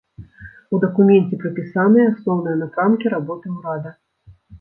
У дакуменце прапісаныя асноўныя напрамкі работы ўрада.